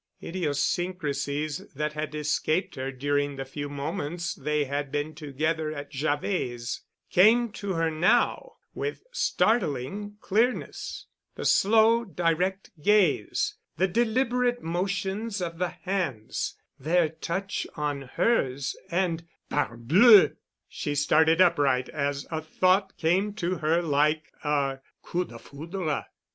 Idiosyncrasies that had escaped her during the few moments they had been together at Javet's, came to her now with startling clearness, the slow direct gaze, the deliberate motions of the hands, their touch on hers—and parbleu! She started upright as a thought came to her like a coup de foudre.